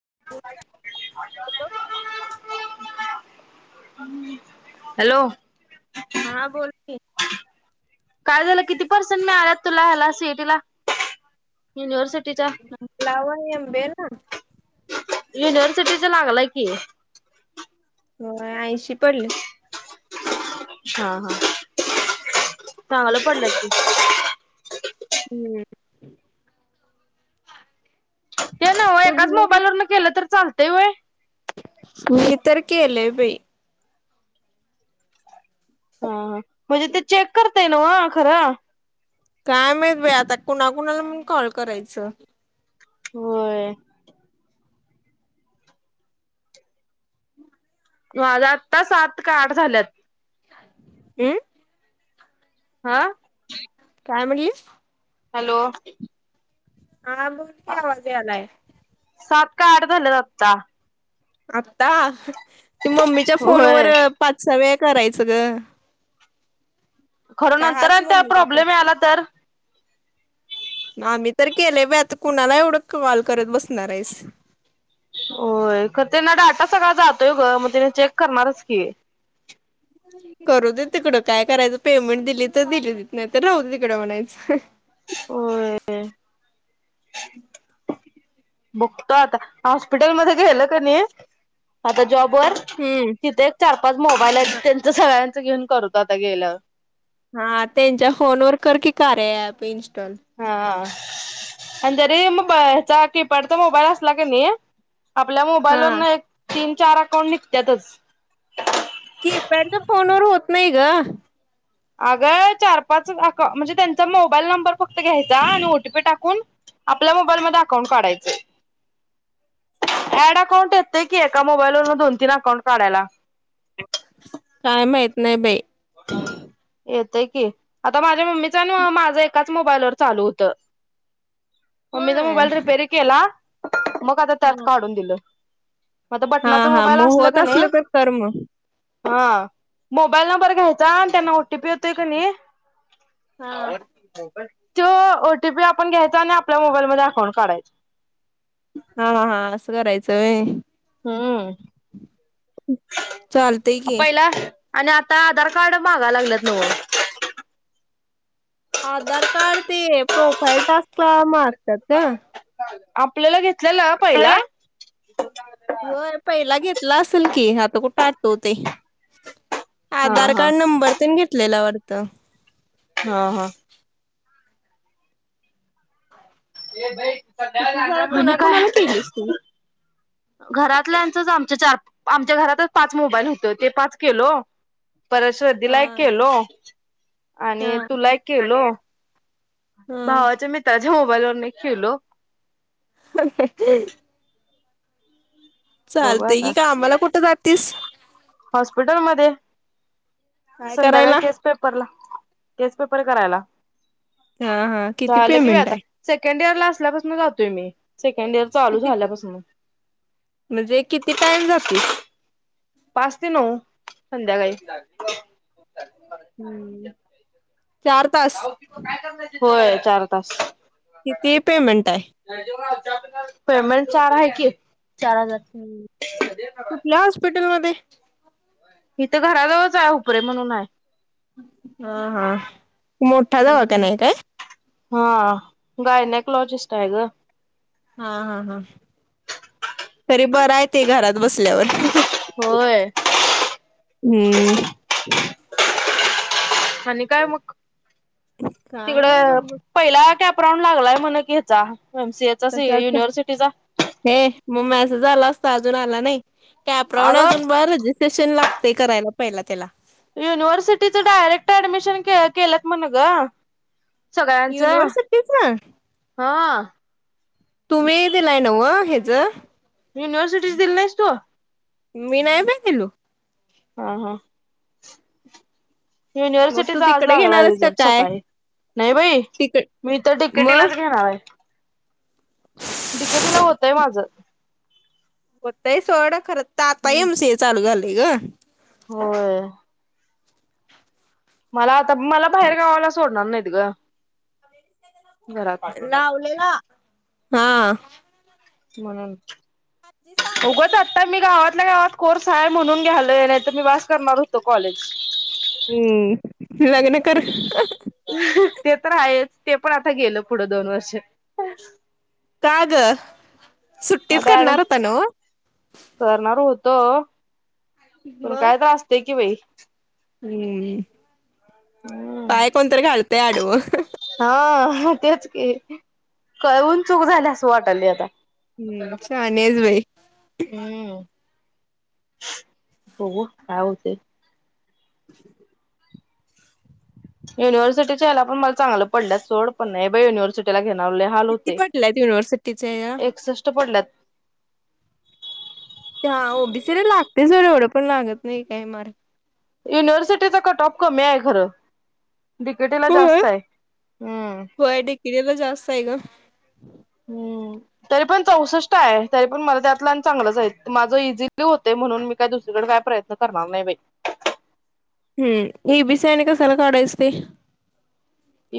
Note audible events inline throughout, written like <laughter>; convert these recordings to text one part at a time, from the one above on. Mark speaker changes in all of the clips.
Speaker 1: <unintelligible> Hello!
Speaker 2: हा बोल कीं.
Speaker 1: काय झालं किती पर्सेंट मिळालात, तुला ह्याला सीएटी ला युनिव्हर्सिट
Speaker 2: लावा नियम बेलना.
Speaker 1: युनिव्हर्सिटीच, लागलाय की.
Speaker 2: मं आयनशी, पडले.
Speaker 1: हा हा चांगल पडलेत की.
Speaker 2: हूं!
Speaker 1: ते नव्ह
Speaker 2: तू
Speaker 1: एकाच
Speaker 2: दिली नाही?
Speaker 1: मोबाईलवरण, केलं तर चाल तय व्हय.
Speaker 2: मी तर केलंय बई.
Speaker 1: हा म्हणजे ते चेक करतय न्हव खरं.
Speaker 2: काय माहित बाई आता, कुणाकुणाला म्हणून कॉल करायचं.
Speaker 1: व्हय. माझं आत्ता सात, का आठ, झाल्यात.
Speaker 2: ऊ!
Speaker 1: हा!
Speaker 2: काय म्हणलीस?
Speaker 1: हॅलो!
Speaker 2: हा बोल की आवाज यालाय.
Speaker 1: काय रं झालं दत्ता?
Speaker 2: आता! ते मम्मीच्या, फोनवर
Speaker 1: होय
Speaker 2: पाच सहा वेळा. करायचं ग.
Speaker 1: खरं
Speaker 2: का
Speaker 1: नंतर
Speaker 2: हाच
Speaker 1: अन त्या
Speaker 2: मम्मीचा फोन
Speaker 1: प्रॉब्लेम याला तर?
Speaker 2: आम्ही तर केलंय बाय, आता कुणाला एवढं कॉल करत बसणार आहेस.
Speaker 1: होय खर त्यानां डाटा, सगळा जातोय गं म त्यानं चेक करणारच की.
Speaker 2: करू दे तिकडं काय करायचं, पेमेन्ट दिली, त दिली, नाय त राहू दे तिकडं म्हणायच.
Speaker 1: होय बघतो आता हॉस्पिटल मध्ये गेल, क नयी आता जॉब बरं
Speaker 2: हम्म
Speaker 1: तिथे चार पाच मोबाईल हायत, त्याचं सगळ्यांचं घेऊन करतो आता गेल्याव
Speaker 2: हा त्यांच्या फोनवर कर की कार्या अँप इन्स्
Speaker 1: हा आणि जरी मोबा ह्याचा कीपॅडचा मोबाईल असला क नी आपल्या
Speaker 2: हा
Speaker 1: मोबाईलवरनं एक पिन चार अकाउंट निघत्यातच
Speaker 2: कीपॅड च्या फोनवर होत नाई ग
Speaker 1: अगं चार पाच आका म्हणजे त्यांचा मोबाईल नंबर फक्त घ्यायचा आणि ओटीपी टाकून आपल्या मोबाईल मध्ये अकाउंट काढायच ऍड अकाउंट येतय की एका मोबाईलवरन दोन तीन अकाउंट काढायला.
Speaker 2: काय माहित नाय बई
Speaker 1: येतय की आता माझ्या मम्मीचा आणि माझं एकाच मोबाईलवर चालू होत. मम्मीचा
Speaker 2: होय
Speaker 1: मोबाईल रीपेरी केला. मग आता त्यात काढून दिलं. मग आता
Speaker 2: हा
Speaker 1: बटनाचा
Speaker 2: हा
Speaker 1: मोबाईल
Speaker 2: म
Speaker 1: असला
Speaker 2: होत
Speaker 1: का नाही
Speaker 2: असलं तर कर म
Speaker 1: हा मोबाईल नंबर घ्याय चा त्यांना ओ टी पी येतोय कणी <inaudible>
Speaker 2: हा
Speaker 1: त्यो ओटीपी आपण घ्यायचा आणि आपल्या मोबाईल मध्ये अकाऊंट काढायच.
Speaker 2: हा हा हा असं करायचं व्हय.
Speaker 1: हुं
Speaker 2: चालतंय
Speaker 1: आ
Speaker 2: की
Speaker 1: पहिला आणि आता आधार कार्ड मागा लागल्यात न्हव
Speaker 2: आधार कार्ड ते प्रोफाईल टाक्स का मारत्यात ना
Speaker 1: आपल्याला घे
Speaker 2: होय. पहिला घेतला असेल की, आता कुठं आ ठवतय
Speaker 1: हा
Speaker 2: आधार
Speaker 1: हा
Speaker 2: कार्ड नंबर तेन घेतलेला वाड तं.
Speaker 1: हा हा ये बाई
Speaker 2: किती झाल कोणाकुणाला केलीस तु
Speaker 1: घरातल्यांचंच आमच्या चार आमच्या घरातच पाच मोबाईल होत ते पाच केलो. परत
Speaker 2: हा
Speaker 1: श्रदीला एक केलो.
Speaker 2: हा
Speaker 1: आणि तुला एक केलो.
Speaker 2: आणि हा
Speaker 1: भावाच्या मित्राची मोबाईलवरन एक‌ केलो.
Speaker 2: <inaudible>
Speaker 1: बघू
Speaker 2: चालतय की, कामाला कुठ जातीस?
Speaker 1: हॉस्पिटल मध्ये.
Speaker 2: काय
Speaker 1: संध्याकाळी
Speaker 2: करायला
Speaker 1: केस पेपरला. केस पेपर करायला.
Speaker 2: हा हा किती
Speaker 1: झालं कि बाई
Speaker 2: पेमेंट
Speaker 1: आता
Speaker 2: आहे
Speaker 1: सेकंड इयर क्लासला असल्यापासून जातोय मी. सेकंड इयर चालू
Speaker 2: किती
Speaker 1: झाल्यापासन.
Speaker 2: म्हणजे किती टाईम जातीस?
Speaker 1: पाच ते नऊ. संध्याकाळी. <inaudible>
Speaker 2: <unintelligible> चार तास.
Speaker 1: होय चार तास.
Speaker 2: किती पेमेंट आहे?
Speaker 1: पेमेंट चार हाय की. चार हजार
Speaker 2: कुठल्या हॉस्पिटल मध्ये? <inaudible>
Speaker 1: ही इथं घराजवळच आहे हुपरे म्हणून हाय.
Speaker 2: हा हा मोठा दवाखाना हाय काय?
Speaker 1: हा गायनॅकॉलॉजिस्ट हाय ग.
Speaker 2: हा हा हा तरी बरं आहे ते घरात बसल्यावर.
Speaker 1: होय.
Speaker 2: हम्म.
Speaker 1: आणि काय मग?
Speaker 2: काय नाही बघ
Speaker 1: तिकडं
Speaker 2: बघ
Speaker 1: पहिला क प्रॉन लागलाय म्हण कि ह्याचा. एम सी ए चा
Speaker 2: कशाचा
Speaker 1: युनिव्हर्सिटीचा.
Speaker 2: हे मग मेसेज आला असता अजून आला नाही. कॅप्रॉन
Speaker 1: अगं
Speaker 2: अजून ब रजिस्ट्रेशन लाग ते करायला पहिला त्याला.
Speaker 1: युनिव्हर्सिटीच डायरेक्ट ऍडमिशन केलंत म्हण ग. सगळ्यांच
Speaker 2: युनिव्हर्सिटीच ना
Speaker 1: हा.
Speaker 2: तुम्ही दिलाय नव ह्याच?
Speaker 1: युनिव्हर्सिटीचं दिली आहेस तू?
Speaker 2: मी नाही बाई दिलो.
Speaker 1: हा हा.
Speaker 2: मग तू
Speaker 1: युनिव्हर्सिटीचा आज
Speaker 2: तिकडे
Speaker 1: लागलाय
Speaker 2: घेणारस का
Speaker 1: रिझल्ट
Speaker 2: काय
Speaker 1: सकाळी. नाही बाई
Speaker 2: तिकड
Speaker 1: मी त
Speaker 2: मग
Speaker 1: डिकेटीलाच घेणार आहे. डिकेटीला होतंय माझं.
Speaker 2: होतंय सोडं, खरं तर आता एम सी ए चालू झालं. की गं.
Speaker 1: होय. मला आता, मला बाहेर गावाला सोडणार नाहीत गं
Speaker 2: लावलेला. हा.
Speaker 1: म्हणून.
Speaker 2: आजी सांगतो म्हण
Speaker 1: उगच आता मी गावात आपल्या गावात कोर्स आहे, म्हणून घ्यायलोय नाहीतर मी बास करणार होतो कॉलेज.
Speaker 2: हम्म, लग्न कर.
Speaker 1: ते तर आहेच, तेपण आता गेलं पुढं दोन वर्ष.
Speaker 2: का गं? सुट्टीत
Speaker 1: आता ऍडम
Speaker 2: करणार होता नव्हं?
Speaker 1: तो. पण काय तर असतंय की बाई.
Speaker 2: हम्म.
Speaker 1: हम्म
Speaker 2: पाय कोणतरी घाल तय आडवं.
Speaker 1: हा तेच की. कळवून चूक झाल्या असं वाटायलय आता.
Speaker 2: हम्म, शहाणी हाईस बाई.
Speaker 1: बघुव काय होतंय.
Speaker 2: <inaudible>
Speaker 1: युनव्हर्सिटीच्या यालापण मला चांगलं पडलल्यात सोडं, पण नाही बाई युनिवर्सिटीला घे
Speaker 2: किती पडल्यात युनिव्हर्सिटीच्या या
Speaker 1: एकसष्ट पडल्यात
Speaker 2: हा. ओ बी सी ला लागतंय सोड, एवढं पण लागत नाही काय मार्क.
Speaker 1: युनिव्हर्सिटीचा कटऑफ कमी आहे खरं. डिकेटीला
Speaker 2: होय?
Speaker 1: जास्त आहे हम्म.
Speaker 2: होय, डीकेटीला जास्त आहे गं. <inaudible>
Speaker 1: हम्म तरीपण चौसष्ट आहे. तरी पण मला त्यातलं आणि चांगलंच आहेत. माझं इझिकली होतंय, म्हणून मी काही दुसरीकडे काय प्रयत्न करणार नाही बाई.
Speaker 2: हम्म. ई बी सी आणि कशाला काढायचं ते?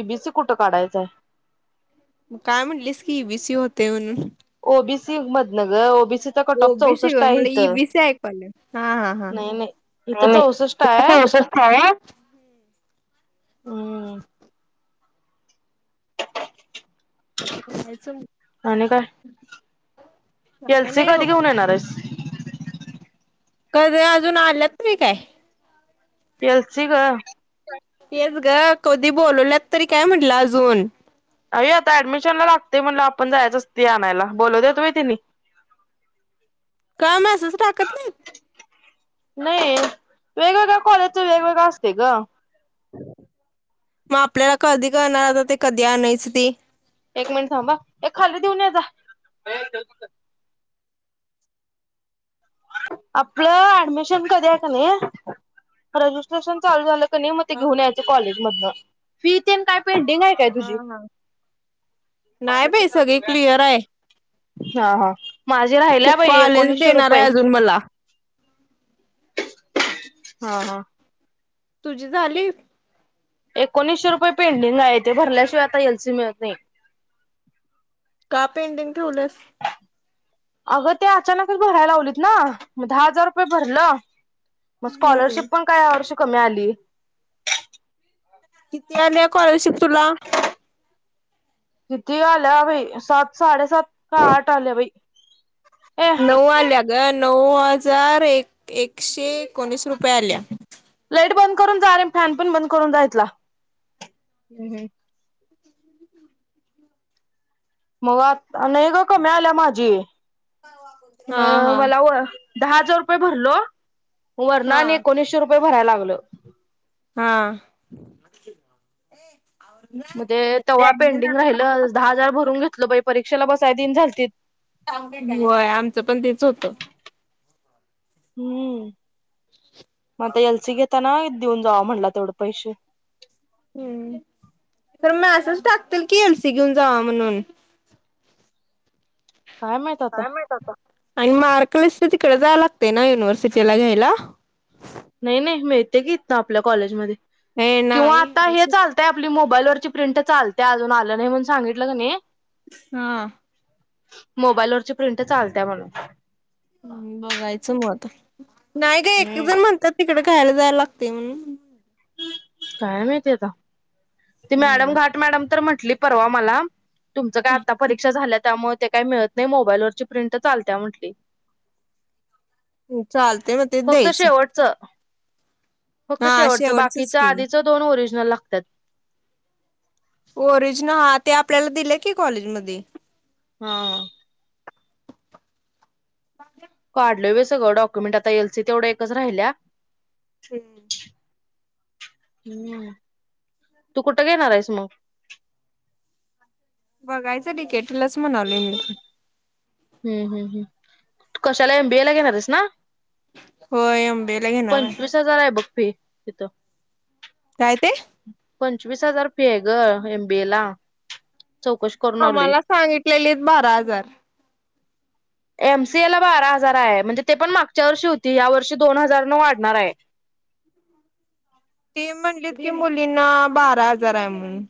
Speaker 1: ई बी सी कुठं काढायचं हाय.
Speaker 2: मग काय म्हणलीस की, ई बी सी होतंय म्हणून.
Speaker 1: ओबीसी मधनं ग ओबीसीचा कट
Speaker 2: ओ
Speaker 1: ऑफ
Speaker 2: बी सी गं
Speaker 1: चौसष्ट
Speaker 2: होय
Speaker 1: आहे
Speaker 2: मला इ
Speaker 1: इथं
Speaker 2: बी सी ऐकू आलं. हा हा हा.
Speaker 1: नाही नाही इथं चौसष्ट आहे
Speaker 2: <unintelligible>
Speaker 1: हम्म आणि काय?
Speaker 2: काय
Speaker 1: कॅल्सी
Speaker 2: नाही
Speaker 1: कधी
Speaker 2: बघ
Speaker 1: घेऊन येणार आहेस?
Speaker 2: कधी अजून आलंत तरी काय?
Speaker 1: कॅल्सी ग.
Speaker 2: तेच ग कधी बोलवल्यात तरी काय म्हटलं अजून?
Speaker 1: ते आता ऍडमिशन ला लागतय म्हणल्यावर आपण जायच असतय आणायला. बोलव व्हतं व्हय तिनी?
Speaker 2: काम असच टाकत नाहीत?
Speaker 1: नाही, वेगवेगळ्या कॉलेजच वेगवेगळं असतय ग.
Speaker 2: म आपल्याला कधी कलणार आता? ते कधी आणायचं ते.
Speaker 1: एक मिनिट थांबा हा. हे खाली देऊन ये जा. आपल ऍडमिशन कधी असणारे की नही, रजिस्ट्रेशन चालू झाल कनय म ते घेऊन यायच कॉलेजमधनं. फी तेन काय पेंडिंग आहे काय
Speaker 2: हा
Speaker 1: तुझी
Speaker 2: हा. नाय बाई सगळी क्लिअर हाय.
Speaker 1: हा हा. माझी
Speaker 2: को
Speaker 1: राहिल्या बाई
Speaker 2: कॉलेज
Speaker 1: एकोणीसशे
Speaker 2: देणार आहे
Speaker 1: रुपये
Speaker 2: अजून मला.
Speaker 1: हा हा.
Speaker 2: तुझी झाली?
Speaker 1: एकोणीशे रुपये पेंडिंग आहते, भरल्याशिवाय आता एलसी मिळत नाई.
Speaker 2: का पेंडिंग ठेवलंयस?
Speaker 1: अगं ते अचानकच भराय लावलेत ना म दहा हजार रुपये भरलं, म
Speaker 2: हम्म.
Speaker 1: स्कॉलरशिप पण काय या वर्षी कमी आली.
Speaker 2: किती आलेय कॉलरशिप तुला?
Speaker 1: किती आल्या बाय? सात साडे सात का आठ आल्या बई.
Speaker 2: नऊ आल्या गन नऊ हजार एक एकशे एकोणीस रुपये आल्या.
Speaker 1: लाइट बंद करून जा आणि फॅन पण बंद करून जा इथला. मग आ नाई ग कमी आल्या माझी.
Speaker 2: हा
Speaker 1: म
Speaker 2: हा.
Speaker 1: मला व दहा हजार रुपये भरलो, वर ना
Speaker 2: हा
Speaker 1: आणि एकोणीशे रूप पे भरायला लागल.
Speaker 2: हा.
Speaker 1: म ते तवा पेंडिंग राहिलं. दहा हजार भरून घेत ल बाय, परीक्षेला बसाय देन झालतीत.
Speaker 2: व्हय आमचं पण तेच होत.
Speaker 1: हम्म. म आता एल सी घेताना देऊन जावा म्हणला तेवढं पैसे.
Speaker 2: हम्म पण मेसेज टाकतील की, एल सी घेऊन जावा म्हणून. काय माहित आता आणि मार मार्क लिस्ट तिकड जायाला लागतय ना, युनिव्हर्सिटीला घ्यायला.
Speaker 1: नई नई मिळतय की इथ आपल्या कॉलेजमध्ये.
Speaker 2: हे
Speaker 1: किंवा
Speaker 2: नाही
Speaker 1: आता हे चालतय आपली मोबाईलवरची प्रिंट चालतय अजून आल नाही म्हणून सांगितल कणी
Speaker 2: हा.
Speaker 1: मोबाईलवरची प्रिंट चालत्या म्हण.
Speaker 2: बघायचं <inaudible> नाही गं एक एक
Speaker 1: हम्म
Speaker 2: जण म्हणत्यात तिकड घ्यायला जायला लागतय म्हणून.
Speaker 1: काय माहिती आता. ती मॅडम
Speaker 2: हम्म.
Speaker 1: घाट मॅडम तर म्हण कुठली परवा मला तुमचं काय आता परीक्षा झाल्या त्यामुळ ते काय मिळत नाही मोबाईलवरची प्रिंट चालत्या म्हंटली
Speaker 2: हं चालते मग तेच द्यायच.
Speaker 1: फक्त शेवट बाकीच
Speaker 2: की
Speaker 1: आधीच दोन ओरिजनल लागत्यात.
Speaker 2: ओरिजनल हा ते आपल्याला दिले की कॉलेज मधी.
Speaker 1: हा. काढलोय बई सगळं डॉक्युमेंट आता एल सी तेवढ् एकच राहिल्या.
Speaker 2: हम्म.
Speaker 1: हम्म तू कुठं घेणार आहेस म?
Speaker 2: बघायचं डी के टी लाच म्हणालोय मी पण.
Speaker 1: हम्म हम्म हम्म कशाला एम बीए ला घेणारयस ना?
Speaker 2: होय एम बी ए ला घेणार आहे
Speaker 1: पंचवीस हजार हाय बघ फी. तित.
Speaker 2: काय ते
Speaker 1: पंचवीस हजार फी आहे ग एम बीए ला. चौकशी करून आलोय.
Speaker 2: आम्हाला सांगितलेलीत बारा हजार.
Speaker 1: एम सी ए ला बारा हजार हाय. म्हणजे ते पण मागच्या वर्षी होती, या वर्षी दोन हजार न वाढणार आहे.
Speaker 2: ती म्हटली की, मुलींना बारा हजार आहे म्हणून.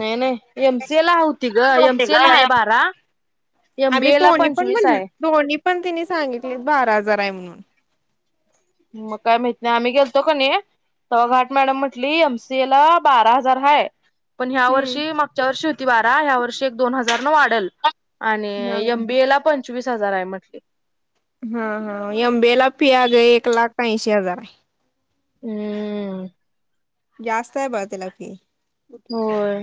Speaker 1: नई नई एम तेला होती ग एम सी ए ला हाय बारा, एम बी
Speaker 2: आम्ही
Speaker 1: ए ला
Speaker 2: दोन्ही पण
Speaker 1: पंचवीस
Speaker 2: म्हणलो
Speaker 1: हाय.
Speaker 2: दोन्ही पण तिन सांगितलेत बारा हजार आहे म्हणून.
Speaker 1: मग काय माहित नाय आम्ही गेलतो कनय तवा घाट मॅडम म्हटली एम सी ए ला बारा हजार हाय. पण ह्या वर्षी
Speaker 2: हम्म
Speaker 1: मागच्या वर्षी ती बारा ह्या वर्षी एक दोन हजार न वाढल. आणि
Speaker 2: हा
Speaker 1: एम बी ए ला पण चोवीस हजार हाय म्हटली.
Speaker 2: हा हा एम बी ए ला फी अग एक लाख ऐंशी हजार ये.
Speaker 1: हुं
Speaker 2: जास्त आहे बघा तिला फि
Speaker 1: होय.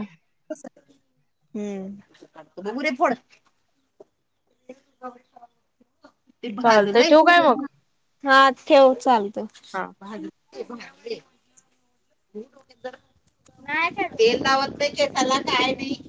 Speaker 2: हुं उरे फोड ते
Speaker 1: चालतय
Speaker 2: भाजलय
Speaker 1: ठेवू काय मग
Speaker 2: हा ठेव चाल
Speaker 1: हा
Speaker 2: भाज <inaudible> नाय का तेल लावत नाय केसाला काय नाई.